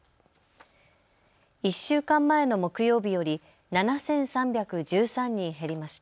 １週間前の木曜日より７３１３人減りました。